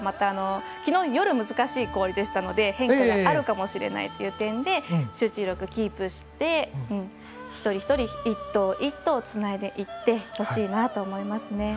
昨日の夜、難しい氷だったので変化があるかもしれないという点で集中力をキープして、一人ひとり１投１投つないでいってほしいと思います。